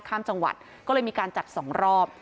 ข้ามจังหวัดก็เลยมีการจัดสองรอบ